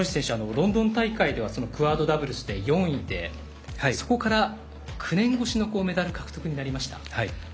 ロンドン大会ではクアードダブルスでそこから、９年越しのメダル獲得になりました。